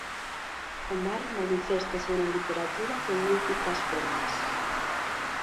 O mar maniféstase na literatura de múltiplas formas.